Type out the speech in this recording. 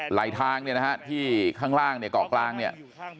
ทางเนี่ยนะฮะที่ข้างล่างเนี่ยเกาะกลางเนี่ย